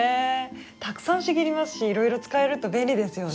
たくさん茂りますしいろいろ使えると便利ですよね。